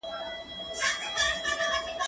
پاکوالي د زهشوم له خوا ساتل کيږي،